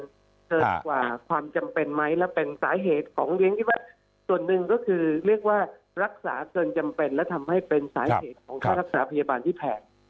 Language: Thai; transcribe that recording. ส่วนหนึ่งก็คือเรียกว่ารักษาเกินจำเป็นและทำให้เป็นสาเหตุของรักษาพยาบาลที่แพง